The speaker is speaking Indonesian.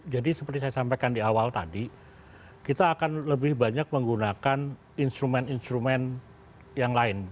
jadi seperti saya sampaikan di awal tadi kita akan lebih banyak menggunakan instrumen instrumen yang lain